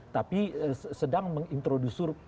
tapi sedang mengintroduce